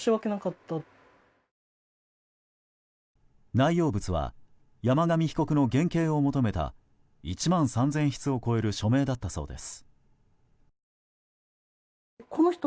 内容物は山上被告の減刑を求めた１万３０００筆を超える署名だったそうです。